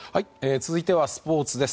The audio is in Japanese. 続いてはスポーツです。